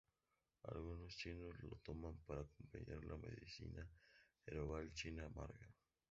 Algunos chinos lo toman para acompañar la medicina herbal china amarga.